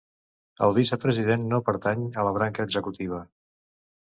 El vicepresident no pertany a la branca executiva.